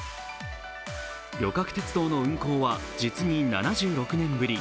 旅客鉄道の運行は実に７６年ぶり。